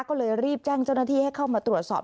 ก็เลยรีบแจ้งเจ้าหน้าที่ให้เข้ามาตรวจสอบ